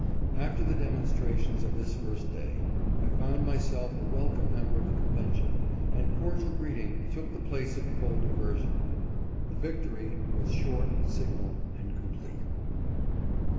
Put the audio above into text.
After the demonstrations of this first day, I found myself a welcome member of the convention, and cordial greeting took the place of cold aversion. The victory was short, signal, and complete.